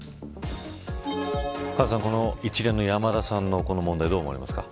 カズさん、一連の山田さんの問題、どう思われますか。